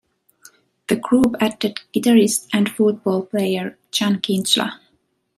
The group added guitarist and football player Chan Kinchla.